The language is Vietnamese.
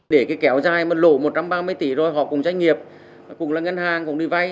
để cái kéo dài mà lỗ một trăm ba mươi tỷ rồi họ cùng doanh nghiệp cùng là ngân hàng cùng đi vai